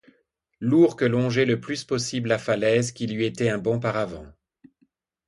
L’ourque longeait le plus possible la falaise qui lui était un bon paravent.